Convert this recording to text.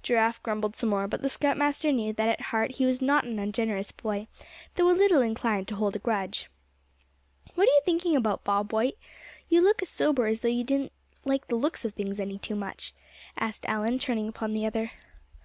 Giraffe grumbled some more, but the scoutmaster knew that at heart he was not an ungenerous boy, though a little inclined to hold a grudge. "What are you thinking about, Bob White; you look as sober as though you didn't just like the looks of things any too much?" asked Allan, turning upon the other.